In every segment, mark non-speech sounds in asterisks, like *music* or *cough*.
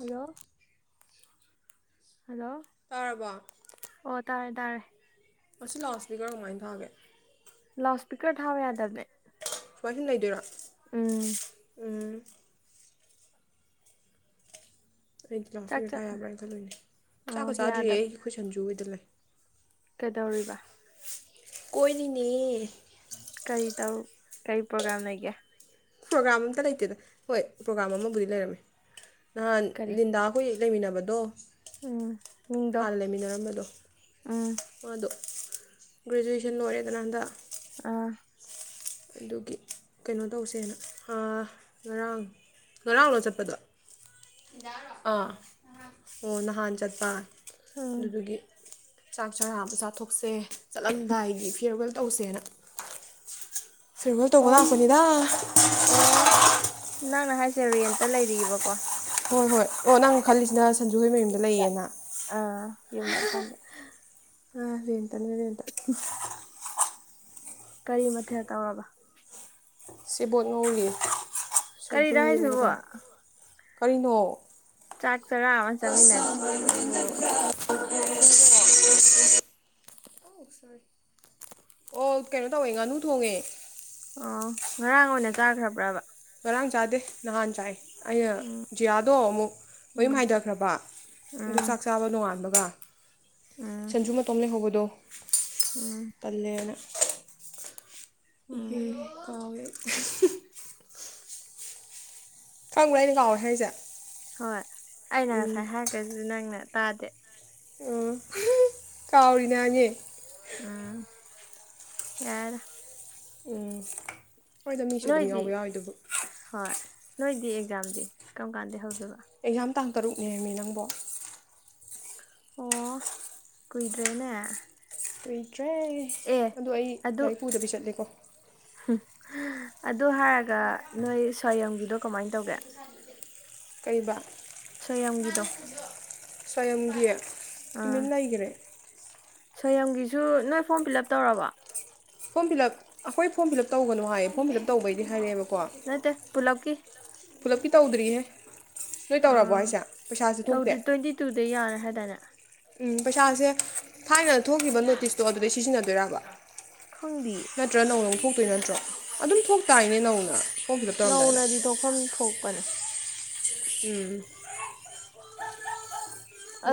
hello *inaudible* hello ꯇꯥꯔꯕ‌ꫭ ꯑꯣ ꯇꯥꯔꯦ ꯇꯥꯔꯦ ꯑꯁꯤ ꯂꯥꯎꯠꯁꯤꯄꯤꯀꯔ ꯀꯃꯥꯏꯅ ꯊꯥꯒꯦ ꯂꯥꯎꯠ ꯁꯄꯤꯀꯔ ꯊꯥꯕ ꯌꯥꯗꯕꯅꯦ ꯋꯥꯍꯤꯡ ꯂꯩꯗꯣꯏꯔꯣ ꯎꯝ ꯑꯩ ꯒꯤ ꯂꯥꯎꯠ ꯆꯥꯛ ꯁꯄꯤꯀꯔ ꯆ ꯊꯥ ꯌꯥꯕ꯭ꯔꯥ ꯍꯥꯏꯅ ꯈꯜꯂꯣꯏꯅꯦ ꯑꯣ ꯆꯥꯛꯒ ꯆꯥꯗ꯭ꯔꯤ ꯌꯥꯗꯕꯅꯦ ꯑꯩꯈꯣꯏ ꯁꯟꯖꯨ ꯍꯣꯏꯗ ꯂꯩ ꯀꯩꯗꯧꯔꯤꯕ ꯀ‌ꫭꯔꯤꯅ‌ꯦ ꯀꯔꯤ ꯇꯧ ꯀꯔꯤ ꯄ꯭ꯔꯣꯒ꯭ꯔꯥꯝ ꯂꯩꯒꯦ ꯄ꯭ꯔꯣꯒ꯭ꯔꯥꯝ ꯑꯝꯇ ꯂꯩꯇꯦꯗ ꯍꯣꯏ ꯄ꯭ꯔꯣꯒ꯭ꯔꯥꯝ ꯑꯃꯕꯨꯗꯤ ꯂꯩꯔꯝꯃꯦ ꯅꯍꯥꯟ ꯀꯔꯤ ꯂꯤꯟꯗꯥ ꯑꯩꯈꯣꯏ ꯂꯩꯃꯤꯟꯅꯕꯗꯣ ꯎꯝ ꯃꯤꯡꯗꯣ ꯍꯥꯟꯅ ꯂꯩꯃꯤꯟꯅꯔꯝꯕꯗꯣ ꯎꯝ ꯑꯗꯣ ꯒ꯭ꯔꯦꯖꯨꯋꯦꯁꯟ ꯂꯣꯏꯔꯦꯗꯅ ꯍꯟꯗꯛ ꯑꯥ ꯑꯗꯨꯒꯤ ꯀꯩꯅꯣ ꯇꯧꯁꯦꯅ ꯉꯔꯥꯡ ꯉꯔꯥꯡꯂꯣ ꯆꯠꯄꯗꯣ ꯂꯤꯟꯗꯥꯔ‌ꫭ ꯑꫭ ꯅꯍꯥꯟ ꯆꯠꯄ ꯎꯝ ꯑꯗꯨꯗꯨꯒꯤ ꯆꯥꯛ ꯆꯔꯥ ꯑꯃ ꯆꯥꯊꯣꯛꯁꯦ ꯆꯠꯂꯝꯗꯥꯏꯒꯤ ꯐꯤꯌꯔꯋꯦꯜ ꯇꯧꯁꯦꯅ ꯐꯤꯌꯔꯋ‌ꯦꯜ ꯇꯧꯕ ꯑꯣ ꯂꯥꯛꯄꯅꯤꯗ ꯑꯣ ꯅꯪꯅ ꯍꯥꯏꯁꯦ ꯔꯦꯟꯇ ꯂꯩꯔꯤꯕꯀꯣ ꯍꯣꯏ ꯍꯣꯏ ꯑꯣ ꯅꯪ ꯈꯜꯂꯤꯁꯤꯅ ꯁꯟꯖꯨꯍ‌ꫭꯏ ꯃꯌꯨꯝꯗ ꯂꯩꯌꯦꯅ ꯑꯥ ꯌꯨꯝꯗꯥ ꯈꯟꯕꯥ ꯔ‌ꯦꯟꯇꯅꯤ ꯔ‌ꯦꯟꯇ *inaudible* ꯀꯔꯤ ꯃꯊꯦꯜ ꯇꯧꯔꯕ ꯁꯦꯕꯣꯠ ꯉꯧꯔꯤ ꯀꯔꯤꯅꯣ ꯁꯧꯒ꯭ꯔꯤ ꯍꯥꯏꯁꯤꯕꯣ ꯑꯃꯒ ꯀꯔꯤꯅꯣ ꯆꯥꯛ ꯆꯔꯥ ꯑꯃ ꯆꯥꯃꯤꯟꯅ ꯃꯩꯕꯨ *unintelligible* ꯑꯣ ꯀꯩꯅꯣ ꯇꯧꯋꯦ ꯉꯥꯅꯨ ꯊꯣꯡꯉꯦ ꯑꯣ ꯉꯔꯥꯡ ꯑꯣꯏꯅ ꯆꯥꯈ꯭ꯔꯕ꯭ꯔꯕ ꯉꯔꯥꯡ ꯆꯥꯗꯦ ꯅꯍꯥꯟ ꯆꯥꯏ ꯑꯩꯅ ꯎꯝ ꯖꯤꯌꯥꯗꯣ ꯑꯃꯨꯛ ꯃꯌꯨꯝ ꯎꯝ ꯍꯥꯏꯗ ꯈ꯭ꯔꯕ ꯑꯗꯨ ꯎꯝ ꯆꯥꯛ ꯆꯥꯕ ꯅꯣꯉꯥꯟꯕꯒ ꯎꯝ ꯁꯟꯖꯨ ꯃꯇꯣꯝ ꯂꯩꯍꯧꯕꯗꯣ ꯎꯝ ꯇꯜꯂꯦꯅ ꯏꯍꯦ ꯎꯝ ꯀꯥꯎꯋꯤ ꯑꯩ *unintelligible* ꯈꯪꯕ꯭ꯔ ꯑꯩꯅ ꯉꯥꯎꯋꯦ ꯍꯥꯏꯁꯦ ꯍꯣꯏ ꯑꯩꯅ ꯎꯝ ꯉꯁꯥꯏ ꯍꯥꯏꯒ꯭ꯔꯦ ꯑꯗꯨꯁꯨ ꯅꯪꯅ ꯇꯥꯗꯦ ꯑꯣ *unintelligible* ꯀꯥꯎꯔꯤꯅꯦꯍꯥꯏꯃꯤ ꯎꯝ ꯌꯥꯔꯦꯗ ꯎꯝ ꯍꯣꯏꯗ ꯃꯤꯁꯨ ꯑꯗꯨꯝ ꯅꯣꯏꯗꯤ ꯌꯥꯎꯕ ꯌꯥꯎꯋꯤꯗꯨꯕꯨ ꯍꯣꯏ ꯅꯣꯏꯗꯤ ꯑꯦꯛꯖꯥꯝꯗꯤ ꯀꯔꯝ ꯀꯥꯟꯗꯩ ꯍꯧꯗꯣꯏꯕ ꯑꯦꯛꯖꯥꯝ ꯇꯥꯡ ꯇꯔꯨꯛꯅꯦ ꯑꯝꯃꯤ ꯅꯪꯕꯣ ꯑꯣ ꯀꯨꯏꯗ꯭ꯔꯦꯅꯦ ꯀꯨꯏꯗ꯭ꯔꯦ ꯑꯦ ꯑꯗꯣ ꯑꯩ ꯑꯗꯨ ꯂꯥꯏꯔꯤꯛ ꯄꯨꯗꯕꯤ ꯆꯠꯂꯦꯀꯣ *unintelligible* ꯑꯗꯨ ꯍꯥꯏꯔꯒ ꯅꯣꯏ ꯁ꯭ꯋꯥꯌꯝꯒꯤꯗꯣ ꯀꯃꯥꯏꯅ ꯇꯧꯒꯦ ꯀꯩꯕ ꯁꫭꯌꯝꯒꯤꯗꯣ ꯁꫭꯌꯝꯒꯤ ꯇꯨꯃꯤꯟ ꯂꯩꯒꯔꯦ ꯁꯣꯏꯌꯝꯒꯤꯁꯨ ꯅꯣꯏ ꯐꯣꯔꯝ ꯄꯤꯜꯂꯞ ꯇꯧꯔꯕ ꯐꯣꯝ ꯐꯤꯜꯂꯞ ꯑꯩꯈꯣꯏ ꯐꯣꯝ ꯐꯤꯜꯂꯞ ꯇꯧꯒꯅꯨ ꯍꯥꯏꯌꯦ ꯐꯣꯝ ꯐꯤꯜ ꯎꯞ ꯇꯧꯕꯩꯗꯤ ꯍꯥꯏꯔꯛꯑꯦꯕꯀꯣ ꯅꯠꯇꯦ ꯄꯨꯂꯞꯀꯤ ꯄꯨꯂꯞꯀꯤ ꯇꯧꯗ꯭ꯔꯤꯍꯦ ꯅꯣꯏ ꯇꯧꯔꯕꯣ ꯍꯥꯏꯁꯦ ꯄꯩꯁꯥꯁꯨ ꯊꯣꯛꯇꯦ ꯇꯨꯗꯩ ꯌꯥꯅꯦ ꯍꯥꯏꯗꯥꯏꯅꯦ ꯎꯝ ꯄꯩꯁꯥꯁꯦ ꯊꯥꯏꯅ ꯊꯣꯛꯈꯤꯕ ꯅꯣꯇꯤꯁꯇꯣ ꯑꯗꯨꯗꯩ ꯁꯤꯖꯤꯟꯅꯗꯣꯏꯔꯕ ꯈꯪꯗꯦꯌꯦ ꯅꯠꯇ꯭ꯔꯥ ꯅꯧꯅ ꯑꯃꯨꯛ ꯊꯣꯛꯇꯣꯏ ꯅꯠꯇ꯭ꯔꯣ ꯑꯗꯨꯝ ꯊꯣꯛꯇꯥꯏꯅꯦ ꯅꯧꯅ ꯐꯣꯔꯝ ꯐꯤꯜ ꯑꯞ ꯇꯧꯔꯝꯗꯥꯏꯗ ꯅꯧꯅꯗꯤ ꯊꯣꯛꯐꯝ ꯊꯣꯛꯄꯅꯦ ꯎꯝ *inaudible*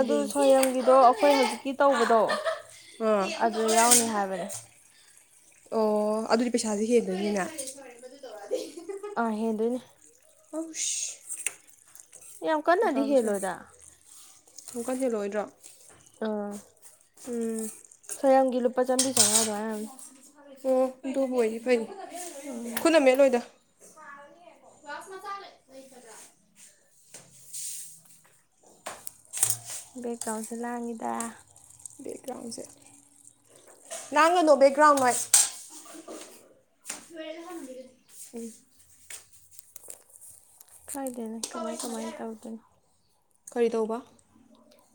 ꯑꯗꯨ ꯁꯣꯌꯦꯝꯒꯤꯗꯣ ꯑꯩꯈꯣꯏ ꯍꯧꯖꯤꯛꯀꯤ ꯇꯧꯕꯗꯣ ꯑꯥ ꯑꯗꯨꯗ ꯌꯥꯎꯅꯤ ꯍꯥꯏꯕꯅꯦ ꯑꯣ ꯑꯗꯨꯗꯤ ꯄꯩꯁꯥꯁꯦ ꯍꯦꯟꯗꯣꯏꯅꯤꯅꯦ *unintelligible* ꯑꯥ ꯍꯦꯟꯗꫭꯏꯅꯦ ꯌꯥꯝ ꯀꯟꯅꯗꯤ ꯍꯦꯜꯂꯣꯏꯗ *unintelligible* ꯑꯃꯨꯛꯀ ꯍꯦꯜꯂꯣꯏꯗ꯭ꯔꯣ ꯑꯥ ꯎꯝ ꯁꫭꯌꯝꯒꯤ ꯂꯨꯄꯥ ꯆꯥꯝꯔꯤ ꯆꯧꯉꯥ ꯑꯗꯨꯃꯥꯏ ꯑꫭꯔꯝꯅꯦ ꯑꯣ ꯑꯗꯨꯕꯨ ꯑꯣꯏꯅꯤ ꯐꯩꯅꯤ ꯎꯝ ꯈꯨꯠꯅ ꯃꯠꯂꯣꯏꯗ ꯕꯦꯛꯒ꯭ꯔꯥꯎꯟꯁꯦ ꯂꯥꯡꯉꯤꯗ ꯒ꯭ꯔꯥꯎꯟꯁꯦ ꯉꯥꯡꯒꯅꯣ ꯕꯦꯛ ꯒ꯭ꯔꯥꯎꯟ ꯅꫭꯏ *unintelligible* ꯀꯥꯏꯗꯩꯅꫭ ꯀꯃꯥꯏ ꯀꯃꯥꯏꯅ ꯇꯧꯗꯣꯏꯅꯣ ꯀꯔꯤ ꯇꯧꯕ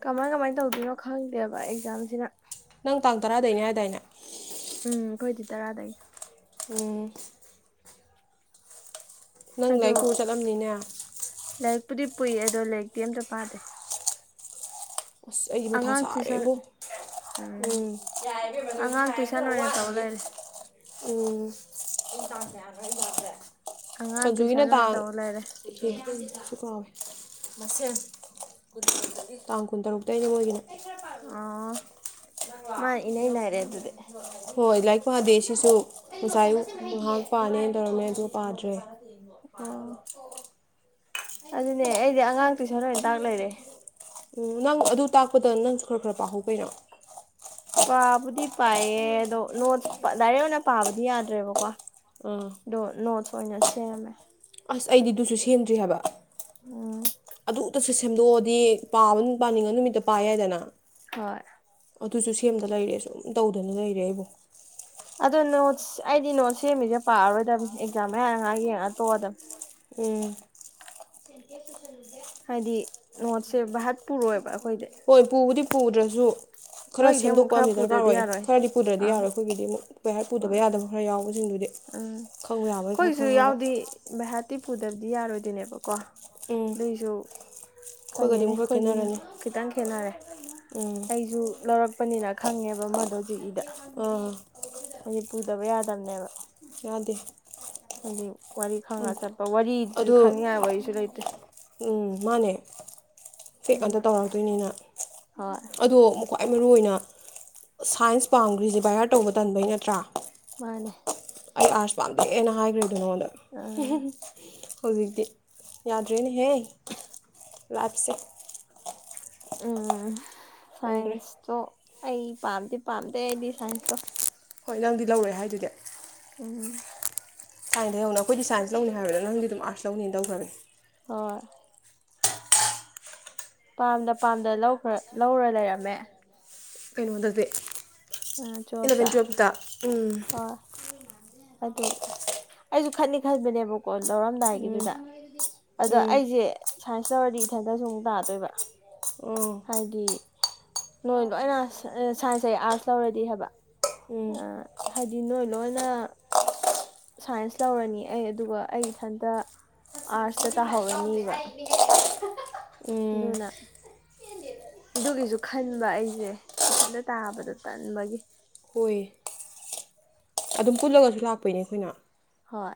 ꯀꯃꯥꯏ ꯀꯃꯥꯏꯅ ꯇꯧꯗꯣꯏꯅꯣ ꯈꯪꯗꯦꯕ ꯑꯦꯛꯖꯥꯝꯁꯤꯅ ꯅꯪ ꯇꯥꯡ ꯇꯔꯥꯗꯩꯅꯦ ꯍꯥꯏꯗꯥꯏꯅꯦ ꯎꯝ ꯑꯩꯈꯣꯏꯗꯤ ꯇꯔꯥꯗꯒꯤ ꯎꯝ ꯅꯪ ꯑꯗꯣ ꯂꯥꯏꯔꯤꯛ ꯄꯨꯔ ꯆꯠꯂꯝꯅꯤꯅꯦ ꯂꯥꯏꯔꯤꯛꯄꯨꯗꯤ ꯄꯨꯏ ꯑꯗꯣ ꯂꯥꯏꯔꯤꯛꯇꯤ ꯑꯝꯇ ꯄꯥꯗꯦ ꯑꯁ ꯑꯩꯒꯤ ꯃꯊꯥ ꯑꯉꯥꯡ ꯇꯨꯏꯁꯟ ꯁꯥꯔꯦꯕꯣ ꯎꯝ ꯌꯥꯔꯦꯕꯦꯝ ꯃꯗꯣꯗꯤ ꯑꯉꯥꯡ ꯍꯥꯏ ꯇꯨꯏꯁꯟ ꯈꯔ ꯑꯣꯏꯅ ꯇꯧ ꯋꯥꯠꯂꯤꯒꯦ ꯂꯩꯔꯦ ꯎꯝ ꯑꯉꯥꯡ ꯁꯟꯖꯨꯒꯤꯅ ꯇꯨꯏꯁꯟ ꯑꯣꯏꯅ ꯇꯥꯡ ꯇꯧ ꯂꯩꯔꯦ *unintelligible* ꯀꯨꯟꯇꯔꯨꯛꯇꯩ ꯃꯣꯏꯒꯤꯅ ꯑꯣ ꯃꯥꯏꯅ ꯏꯅꯩ ꯅꯔꯦ ꯑꯗꯨꯗꯤ ꯍꯣꯏ ꯂꯥꯏꯔꯤꯛ ꯄꯥꯗꯦ ꯁꯤꯁꯨ ꯑꯣꯖꯥ ꯑꯨꯛ ꯎꯝ ꯉꯥꯏꯍꯥꯛ ꯄꯥꯅꯦꯅ ꯇꯧꯔꯝꯃꯦ ꯑꯗꯨ ꯄꯥꯗ꯭ꯔꯦ ꯑꯣ ꯑꯣ ꯑꯗꯨꯅꯦ ꯑꯩꯗꯤ ꯑꯉꯥꯡꯇꯨꯁꯟ ꯂꯣꯏ ꯇꯥꯛ ꯂꯩꯔꯦ ꯎꯝ ꯅꯪ ꯑꯗꯨ ꯇꯥꯛꯄꯗ ꯅꯪꯁꯨ ꯈꯔ ꯈꯔ ꯄꯥꯍꯧꯀꯩꯅꯣ ꯄꯥꯕꯨꯗꯤ ꯄꯥꯏꯌꯦ ꯑꯗꯣ ꯅꯣꯠꯁ ꯗꯥꯏꯔꯦꯛ ꯑꯣꯏꯅ ꯄꯥꯕꯗꯤ ꯌꯥꯗ꯭ꯔꯦꯕꯀꯣ ꯑꯥ ꯑꯗꯣ ꯅꯣꯠꯁ ꯑꯣꯏꯅ ꯁꯦꯝꯃꯦ ꯑꯁ ꯑꯩꯗꯤ ꯑꯗꯨꯁꯨ ꯁꯦꯝꯗ꯭ꯔꯤ ꯍꯥꯏꯕ ꯎꯝ ꯑꯗꯨꯇꯁꯨ ꯁꯦꯝꯗꯣꯛꯑꯗꯤ ꯄꯥꯕ ꯄꯥꯅꯤꯡꯉ ꯅꯨꯃꯤꯠꯇ ꯄꯥ ꯌꯥꯏꯗꯅ ꯍꯣꯏ ꯑꯗꯨꯁꯨ ꯁꯦꯝꯗ ꯂꯩꯔꯦ ꯁꯨꯝ ꯇꯧꯗꯅ ꯂꯩꯔꯦ ꯑꯩꯕꯨ ꯑꯗꯣ ꯅꯣꯠꯁ ꯑꯩꯗꯤ ꯅꯣꯠꯁ ꯁꯦꯝꯃꯤꯁꯦ ꯄꯥꯔꯔꯣꯏꯗꯕꯅꯤ ꯑꯦꯛꯖꯥꯝ ꯃꯌꯥꯅ ꯉꯥꯏꯛ ꯌꯦꯡꯉ ꯇꯣꯛ ꯑꯗꯝ ꯎꯝ *inaudible* ꯍꯥꯏꯗꯤ ꯅꯣꯠꯁꯦ ꯚꯥꯠ ꯄꯨꯔꯣꯏꯕ ꯑꯩꯈꯣꯏꯗꯤ ꯍꯣꯏ ꯄꯨꯕꯨꯗꯤ ꯄꯨꯗ꯭ꯔꯁꯨ ꯈꯔ ꯅꯣꯏꯒꯤꯗꯤ ꯑꯃꯨꯛ ꯁꯦꯝꯗꯣꯛꯄ ꯈꯔ ꯑꯃꯗꯤ ꯄꯨꯗ꯭ꯔꯗꯤ ꯗꯔꯀꯥꯔꯑꯣꯏ ꯌꯥꯔꯣꯏ ꯈꯔꯗꯤ ꯄꯨꯗ꯭ꯔꯗꯤ ꯑꯥ ꯌꯥꯔꯣꯏ ꯑꯩꯈꯣꯏꯒꯤꯗꯤ ꯑꯃꯨꯛ ꯍꯔ ꯄꯨꯗꯕ ꯍꯣꯏ ꯌꯥꯗꯕ ꯈꯔ ꯌꯥꯎꯕꯁꯤꯡꯗꯨꯗꯤ ꯎꯝ ꯈꯪꯕ ꯌꯥꯕꯩ ꯈꯔ ꯑꯩꯈꯣꯏꯁꯨ ꯈꯪꯉꯒ ꯌꯥꯎꯗꯤ ꯚꯩꯍꯥꯠꯇꯤ ꯄꯨꯗꯕꯗꯤ ꯌꯥꯔꯣꯏꯗꯣꯏꯅꯦꯕꯀꯣ ꯎꯝ ꯑꯗꯨꯏꯁꯨ ꯑꯩꯈꯣꯏꯒꯗꯤ ꯈꯪꯒꯦꯅꯦ ꯑꯃꯨꯛ ꯈꯔ ꯑꯩꯈꯣꯏꯒꯤꯅ ꯈꯦꯠꯅꯔꯅꯤ ꯈꯤꯇꯪ ꯈꯦꯠꯅꯔꯦ ꯎꯝ ꯑꯩꯁꯨ ꯂꯧꯔꯛꯄꯅꯤꯅ ꯈꯪꯉꯦꯕ ꯑꯃꯗꯣ ꯖꯤꯏꯗ ꯑꯣ ꯍꯥꯏꯗꯤ ꯄꯨꯗꯕ ꯌꯥꯗꯕꯅꯦꯕ ꯌꯥꯗꯦ ꯍꯥꯏꯗꯤ ꯋꯥꯔꯤ ꯈꯪꯉꯒ ꯆꯠꯄ ꯋꯥꯔꯤꯗꯨꯁꯨ ꯑꯗꯣ ꯈꯪꯅꯤꯡꯉꯥꯏ ꯋꯥꯔꯤꯁꯨ ꯂꯩꯇꯦ ꯎꯝ ꯃꯥꯅꯦ ꯄꯦꯛ ꯉꯛꯇ ꯑꯗꯨꯅ ꯇꯧꯔꯛꯇꯣꯏꯅꯤꯅ ꯍꯣꯏ ꯑꯗꯣ ꯈ꯭ꯋꯥꯏ ꯃꯔꯨꯏ ꯑꯣꯏꯅ ꯁꯥꯏꯟꯁ ꯄꯥꯝꯈ꯭ꯔꯤꯁꯦ ꯕꯥꯌꯥꯔ ꯇꯧꯕ ꯇꯟꯕꯩ ꯅꯠꯇ꯭ꯔꯥ ꯃꯥꯅꯦ ꯑꯩ ꯑꯥꯔꯠꯁ ꯄꯥꯝꯗꯦꯅꯥ ꯍꯥꯏꯈ꯭ꯔꯗꯣ ꯅꯉꯣꯟꯗ ꯑꯥ ꯍꯧꯖꯤꯛꯇꯤ ꯌꯥꯗ꯭ꯔꯦꯅꯦꯍꯦ ꯂꯥꯞꯁꯦ ꯎꯝ ꯍꯣꯡꯈ꯭ꯔꯦ ꯁꯥꯏꯟꯁꯇꯣ ꯑꯩ ꯄꯥꯝꯗꯤ ꯄꯥꯝꯗꯦ ꯑꯩꯗꯤ ꯁꯥꯏꯟꯁꯇꯣ ꯍꯣꯏ ꯅꯪꯗꯤ ꯂꯧꯔꯣꯏ ꯍꯥꯏꯗꯨꯗꯦ ꯎꯝ ꯊꯥꯏꯟꯗꯩꯩ ꯍꯧꯅ ꯑꯩꯈꯣꯏꯗꯤ ꯁꯥꯏꯟꯁ ꯂꯧꯅꯤ ꯍꯥꯏꯕꯗ ꯅꯪꯗꯤ ꯑꯗꯨꯝ ꯑꯥꯠꯁ ꯂꯧꯅꯤ ꯇꯧꯈ꯭ꯔꯦ ꯍꯣꯏ ꯄꯥꯝꯗ ꯄꯥꯝꯗ ꯂꯧꯈ꯭ꯔ ꯂꯧꯔ ꯂꯩꯔꯝꯃꯦ ꯀꯩꯅꯣꯗꯗꯤ ꯇꯨꯋꯦꯜꯞꯇ ꯏꯂꯚꯦꯟ ꯇꯨꯌꯦꯜꯞꯇ ꯎꯝ *unintelligible* ꯑꯗꯨ ꯑꯩꯁꯨ ꯈꯟꯗꯤ ꯈꯟꯕꯅꯦꯕ ꯀꯣꯜ ꯎꯝ ꯂꯧꯔꯝꯗꯥꯏꯒꯤꯗꯨꯗ ꯑꯗꯣ ꯎꯝ ꯑꯩꯁꯦ ꯁꯥꯏꯟꯁ ꯇꯧꯔꯗꯤ ꯏꯊꯟꯇ ꯁꯨ ꯑꯃꯨꯛ ꯇꯥꯗꯣꯏꯕ ꯑꯣ ꯍꯥꯏꯗꯤ ꯅꯣꯏ ꯂꯣꯏꯅ ꯁꯥꯏꯟꯁ ꯑꯌꯦ ꯑꯥꯔꯠꯁ ꯂꯧꯔꯗꯤ ꯍꯥꯏꯕ ꯎꯝ ꯑ ꯍꯥꯏꯗꯤ ꯅꯣꯏ ꯂꯣꯏꯅ ꯁꯥꯏꯟꯁ ꯂꯧꯔꯅꯤ ꯑꯩ ꯑꯗꯨꯒ ꯑꯩ ꯏꯊꯟꯇ ꯑꯥꯔꯁꯇ ꯇꯥꯍꯧꯔꯅꯦꯕ ꯎꯝ ꯗꯨꯅ ꯑꯗꯨꯒꯤꯁꯨ ꯈꯟꯕ ꯑꯩꯖ‌ꯦ ꯏꯊꯟꯇ ꯇꯥꯕꯗꯣ ꯇꯟꯕꯒꯤ ꯍ‌ꯣꯏ ꯑꯗꯨꯝ ꯄꯨꯜꯂꯒꯁꯨ ꯂꯥꯛꯄꯩꯅꯦ ꯑꯩꯈꯣꯏꯅ ꯍꯣꯏ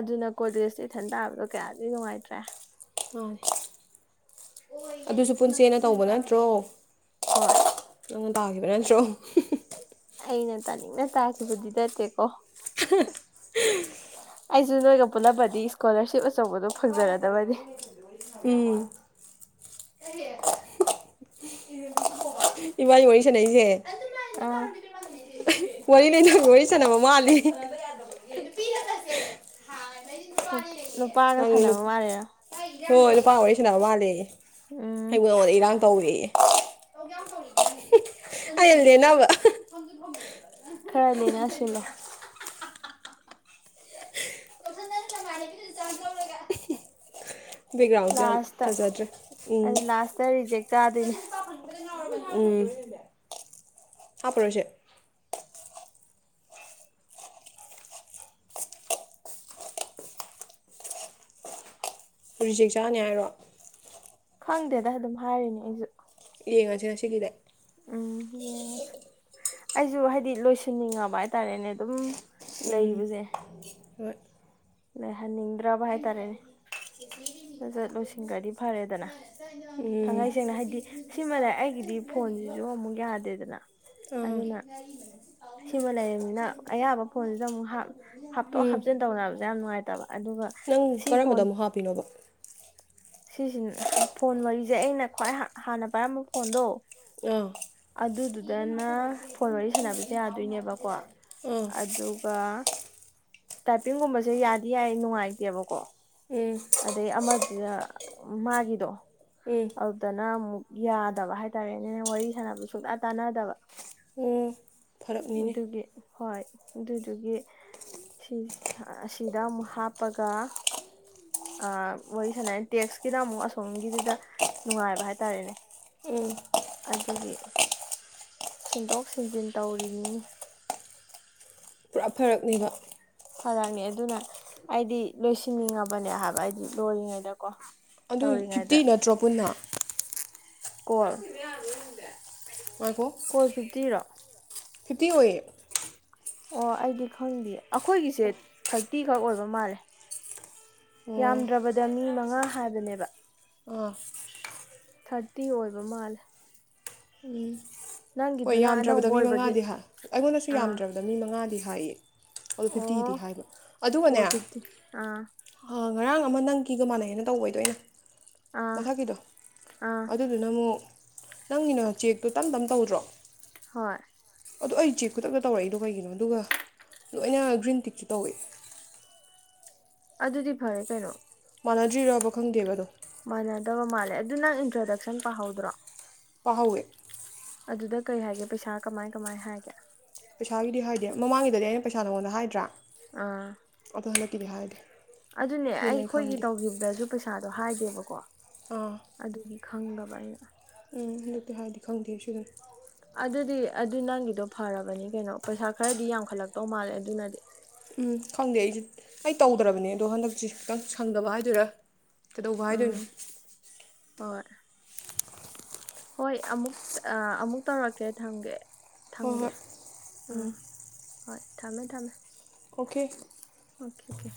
ꯑꯗꯨꯅ ꯀꯣꯂꯦꯖ ꯏꯊꯟ ꯇꯥꯕꯗꯣ ꯀꯌꯥꯗꯤ ꯅꯨꯡꯉꯥꯏꯇ꯭ꯔ ꯃꯥꯅꯦ ꯑꯗꯨꯁꯨ ꯄꯨꯟꯁꯦꯟꯅ ꯇꯧꯕ ꯅꯠꯇ꯭ꯔꯣ ꯍꯣꯏ ꯅꯪꯅ ꯇꯥꯈꯤꯕ ꯅꯠꯇ꯭ꯔꯣ ꯑꯩꯅ ꯇꯥꯅꯤꯡꯅ ꯇꯥꯈꯤꯕꯗꯤ ꯅꯠꯇꯦꯀꯣ ꯑꯩꯁꯨ ꯅꯣꯏꯒ ꯄꯨꯜꯂꯝꯃꯗꯤ ꯏꯁꯀꯣꯂꯔꯁꯤꯞ ꯑꯆꯧꯕꯗꯣ ꯐꯪꯖꯔꯗꯕꯅꯤ ꯄꯤ *unintelligible* ꯏꯕꯥꯏꯅꯤ ꯋꯥꯔꯤ ꯁꯥꯟꯅꯩꯁ‌ꯦ ꯑꯥ ꯋꯥꯔꯤ ꯂꯩꯅꯕ ꯋꯥꯔꯤ ꯁꯥꯟꯅꯕ ꯃꯥꯜꯂꯤ ꯅꯨ ꯅꯨꯄꯥꯒ ꯅꯪ ꯁꯥꯟꯅꯕ ꯃꯥꯜꯂꯤꯔ‌ꯣ ꯍꯣꯏ ꯅꯨꯄꯥ ꯋꯥꯔꯤ ꯁꯥꯅꯕ ꯃꯥꯜꯂꯦꯌ‌ꯦ ꯎꯝ ꯑꯩ ꯅꯉꯣꯟꯗ ꯏꯔꯥꯡ ꯇꯧꯔ‌ꯦꯌꯦ ꯑꯩꯅꯥ ꯂꯦꯟꯅꯕ *unintelligible* ꯈꯔ ꯂꯦꯟꯅꯁꯤꯜꯂꯣ *unintelligible* ꯕꯦꯛꯒ꯭ꯔꯥꯎꯟꯁꯦ ꯌꯥꯝ ꯐꯖꯗ꯭ꯔꯦ ꯎꯝ ꯇ ꯔꯤꯖꯦꯛ ꯆꯥꯗꯣꯏꯅꯦ ꯎꯝ ꯍꯥꯞꯄꯔꯣꯏꯁꯦ ꯍꯧꯖꯤꯛ ꯆꯥꯅꯦ ꯍꯥꯏꯔꯣ ꯈꯪꯗꯦꯗ ꯑꯗꯨꯝ ꯍꯥꯏꯔꯤꯅꯦ ꯑꯩꯖꯨ ꯌꯦꯡꯉꯁ‌ꯦ ꯉꯁꯤꯒꯤꯗ ꯎꯝ ꯌꯦꯡꯉꯁ ꯑꯩꯖꯨ ꯍꯥꯏꯗꯤ ꯂꯣꯏꯁꯤꯟꯅꯤꯡꯉꯕ ꯍꯥꯏꯇꯥꯔꯦꯅꯦ ꯑꯗꯨꯝ ꯎꯝ ꯂꯩꯕꯁꯦ ꯍꯣꯏ ꯂꯩꯍꯟꯅꯤꯡꯗ꯭ꯔꯕ ꯍꯥꯏꯇꯥꯔꯦꯅꯦ *unintelligible* ꯖꯠꯖꯠ ꯂꯣꯏꯁꯤꯟꯈ꯭ꯔꯗꯤ ꯐꯔꯦꯗꯅ ꯊꯥꯡꯒꯩ ꯁꯦꯡꯅ ꯍꯥꯏꯗꯤ ꯁꯤꯃꯂꯩꯔ ꯑꯩꯒꯤꯗꯤ ꯐꯣꯟꯁꯤꯁꯨ ꯑꯃꯨꯛ ꯌꯥꯗꯦꯗꯅ ꯎꯝ ꯑꯗꯨꯅ ꯁꯤꯃ ꯂꯩꯔꯤꯝꯅꯤꯅ ꯑꯌꯥꯕ ꯐꯣꯟꯗꯨꯗ ꯑꯃꯨꯛ ꯍꯥꯞ ꯍꯥꯞꯇꯣꯛ ꯎꯝ ꯍꯥꯞꯆꯤꯟ ꯇꯧꯅꯕꯖ‌ꯦ ꯌꯥꯝ ꯅꯨꯡꯉꯥꯏꯇꯕ ꯑꯗꯨꯒ ꯁꯤ ꯐꯣꯟ ꯀꯩꯅꯣꯗ‌ꯣ ꯁꯤꯁꯤꯍ ꯐꯣꯟ ꯋꯥꯔꯤꯁꯦ ꯑꯩꯅ ꯈ꯭ꯋꯥꯏ ꯍꯥ ꯍꯥꯟꯅ ꯄꯥꯏꯔꯝꯕ ꯐꯣꯟꯗꯣ ꯑꯥ ꯑꯗꯨꯗꯨꯗꯅ ꯐꯣꯟ ꯋꯥꯔꯤ ꯁꯥꯟꯅꯕꯁꯦ ꯌꯥꯗꯣꯏꯅꯦꯕꯀꯣ *unintelligible* ꯎꯝ ꯑꯗꯨꯒ ꯇꯥꯏꯄꯤꯡꯒꯨꯝꯕꯁꯦ ꯌꯥꯗꯤ ꯌꯥꯏ ꯅꯨꯡꯉꯥꯏꯇꯦꯕꯀꯣ ꯎꯝ ꯑꯗꯩ ꯑꯃꯗꯨꯅ ꯃꯥꯒꯤꯗꯣ ꯎꯝ ꯑꯗꯨꯗꯅ ꯑꯃꯨꯛ ꯌꯥꯗꯕ ꯍꯥꯏꯇꯥꯔꯦꯅꯦ ꯅ ꯋꯥꯔꯤ ꯁꯥꯟꯅꯕ ꯁꯨꯡꯇꯥ ꯇꯥꯟꯅꯗꯕ ꯎꯝ ꯐꯔꯛꯅꯤꯅꯦ ꯑꯗꯨꯒꯤ ꯍꯣꯏ ꯑꯗꯨꯗꯨꯒꯤ ꯁꯤ ꯁꯥ ꯁꯤꯗ ꯑꯃꯨꯛ ꯍꯥꯞꯄꯒ ꯋꯥꯔꯤ ꯁꯥꯅꯦ ꯇꯦꯛꯁꯀꯤꯅ ꯑꯃꯨꯛ ꯑꯁꯣꯝꯒꯤꯗꯨꯗ ꯅꯨꯡꯉꯥꯏꯕ ꯍꯥꯏꯇꯥꯔꯦꯅꯦ ꯎꯝ ꯑꯗꯨꯒꯤ ꯁꯤꯟꯗꯣꯛ ꯁꯤꯟꯖꯤꯟ ꯇꯧꯔꯤꯅꯤꯅꯦ ꯄꯨꯔꯥ ꯐꯔꯛꯅꯤꯕ ꯐꯔꯛꯅꯤ ꯑꯗꯨꯅ ꯑꯩꯗꯤ ꯂꯣꯏꯁꯤꯟꯅꯤꯡꯉꯕꯅꯦ ꯍꯥꯏꯕ ꯑꯩꯗꯤ ꯂꯣꯏꯔꯤꯉꯩꯗꯀꯣ ꯑꯗꯨꯏ ꯐꯤꯞꯇꯤ ꯇꯧꯔꯤꯉꯩꯗ ꯅꯠꯇ꯭ꯔꯣ ꯄꯨꯟꯅ ꯀꯣꯜ ꯉꯥꯏꯈꯣ ꯀꯣꯜ ꯐꯤꯞꯇꯤꯔꯣ ꯐꯤꯞꯇꯤ ꯑꯣꯏꯌꯦ ꯑꯣ ꯑꯩꯗꯤ ꯈꯪꯗꯦ ꯑꯩꯈꯣꯏꯒꯤꯁꯦ ꯊꯥꯔꯇꯤꯈꯛ ꯑꯣꯏꯕ ꯃꯥꯜꯂꯦ ꯑꯣ ꯌꯥꯝꯗ꯭ꯔꯕ ꯗ ꯃꯤ ꯃꯉꯥ ꯍꯥꯏꯕꯅꯦꯕ ꯑꯥ ꯊꯥꯔꯇꯤ ꯑꯣꯏꯕ ꯃꯥꯜꯂꯦ ꯎꯝ ꯍꯣꯏ ꯅꯪꯒꯤꯗꯨꯅ ꯌꯥꯝꯗ꯭ꯔꯕꯗ ꯑꯅꯧꯕ ꯃꯤ ꯑꯣꯏꯕꯒꯤ ꯃꯉꯥꯗꯤ ꯍꯥ ꯑꯩꯉꯣꯟꯗꯁꯨ ꯑꯥ ꯌꯥꯝꯗ꯭ꯔꯕꯗ ꯃꯤ ꯃꯉꯥꯗꯤ ꯍꯥꯏꯌꯦ ꯑꯗꯣ ꯐꯤꯞ ꯇꯤꯗꯤ ꯑꯣ ꯍꯥꯏꯕ ꯑꯗꯨꯒꯅꯦ ꯀꯣꯜ ꯑ ꯐꯤꯐꯇꯤ ꯑꯥ ꯉꯔꯥꯡ ꯑꯃ ꯅꯪꯀꯤꯒ ꯃꯥꯟꯅꯩꯅ ꯇꯧꯕꯩꯗꯣ ꯑꯩꯅ ꯑꯥ ꯃꯊꯛꯀꯤꯗꯣ ꯑꯥ ꯑꯗꯨ ꯗꯨꯅꯃꯨꯛ ꯅꯪꯒꯤꯅ ꯆꯦꯛꯇꯣ ꯇꯝ ꯇꯝ ꯇꯧꯗ꯭ꯔꯣ ꯍꯣꯏ ꯑꯗꯣ ꯑꯩ ꯆꯦꯛ ꯈꯨꯇꯛꯇ ꯇꯧꯔꯛꯏꯗꯣ ꯀꯩꯒꯤꯅꯣ ꯑꯗꯨꯒ ꯂꯣꯏꯅ ꯒ꯭ꯔꯤꯟ ꯇꯤꯛꯁꯨ ꯇꯧꯋꯦ ꯑꯗꯨꯗꯤ ꯐꯔꯦ ꯀꯩꯅꯣ ꯃꯥꯟꯅꯗ꯭ꯔꯤꯔꯕ ꯈꯪꯗꯦꯕ ꯑꯗꯣ ꯃꯥꯟꯅꯗꯕ ꯃꯥꯜꯂꯦ ꯑꯗꯨ ꯅꯪ ꯏꯟꯇ꯭ꯔꯗꯛꯁꯟ ꯄꯥꯍꯧꯗ꯭ꯔꯣ ꯄꯥꯍꯧꯋꯦ ꯑꯗꯨꯗ ꯀꯩ ꯍꯥꯏꯒꯦ ꯄꯩꯁꯥ ꯀꯃꯥꯏ ꯀꯃꯥꯏ ꯍꯥꯏꯒꯦ ꯄꯩꯁꯥꯒꯤꯗꯤ ꯍꯥꯏꯗꯦ ꯃꯃꯥꯡꯒꯤꯗꯗꯤ ꯑꯩꯅ ꯄꯩꯁꯥ ꯅꯉꯣꯟꯗ ꯍꯥꯏꯗ꯭ꯔꯥ ꯑꯥ ꯑꯗꯣ ꯍꯟꯗꯛꯀꯤꯗꯤ ꯍꯥꯏꯗꯦ ꯑꯗꯨꯅꯦ ꯑꯗꯨꯅ ꯑꯩ ꯈꯣꯏꯒꯤ ꯈꯪꯗꯦ ꯇꯧꯈꯤꯕꯗꯁꯨ ꯄꯩꯁꯥꯗꯣ ꯍꯥꯏꯗꯦꯕꯀꯣ ꯑꯥ ꯑꯗꯨꯒꯤ ꯈꯪꯗꯕ ꯑꯩꯅ ꯎꯝ ꯍꯟꯗꯛꯇꯤ ꯍꯥꯏꯗꯦ ꯈꯪꯗꯦ *unintelligible* ꯑꯗꯨꯗꯤ ꯑꯗꯨ ꯅꯪꯒꯤꯗꯣ ꯐꯔꯕꯅꯤ ꯀꯩꯅꯣ ꯄꯩꯁꯥ ꯈꯔꯗꯤ ꯌꯥꯝꯈꯠꯂꯛꯇꯧ ꯃꯥꯜꯂꯦ ꯑꯗꯨꯅꯗꯤ ꯎꯝ ꯈꯪꯗꯦ ꯑꯩꯁꯦ ꯑꯩ ꯇꯧꯗ꯭ꯔꯕꯅꯦ ꯑꯗꯣ ꯍꯟꯗꯛꯁꯤ ꯈꯤꯇꯪ ꯁꯪꯗꯕ ꯍꯥꯏꯗꯣꯏꯔꯥ ꯀꯩꯗꯧꯕ ꯎꯝ ꯍꯥꯏꯗꯣꯏꯅꯣ ꯍꯣꯏ ꯍꯣꯏ ꯑꯃꯨꯛ ꯑꯥ ꯑꯃꯨꯛ ꯇꯧꯔꯛꯀꯦ ꯊꯝꯒꯦ ꯍꯣꯏ ꯊꯝꯒꯦ ꯍꯣꯏ ꯑꯥ ꯍꯣꯏ ꯊꯝꯃꯦ ꯊꯝꯃꯦ ꯑꯣꯀꯦ ꯑꯣꯈꯦꯀꯦ